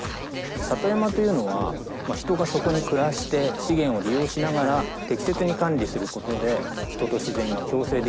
里山というのは人がそこに暮らして資源を利用しながら適切に管理することで。